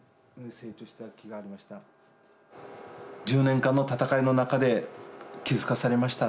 １０年間の闘いの中で気付かされました。